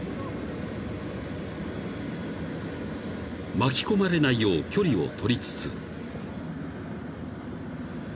［巻き込まれないよう距離を取りつつ］